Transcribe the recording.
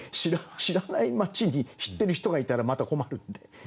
知らない町に知ってる人がいたらまた困るんで。